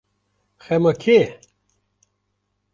Xema kê ye?